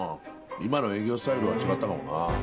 今の営業スタイルとは違ったかもなあ。